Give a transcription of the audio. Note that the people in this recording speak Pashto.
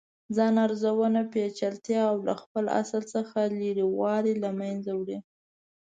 ځان ارزونه پیچلتیا او له خپل اصل څخه لرې والې له منځه وړي.